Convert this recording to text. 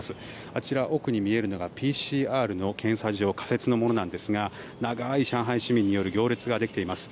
あちら、奥に見えるのがＰＣＲの検査場仮設のものですが長い上海市民による行列ができています。